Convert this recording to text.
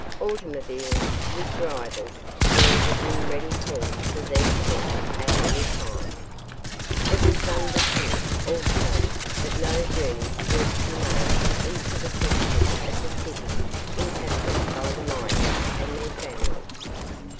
Automobiles, with drivers, were within ready call for these men at any time. It was understood, also, that no journeys were to be made into the section of the city inhabited by the miners and their families.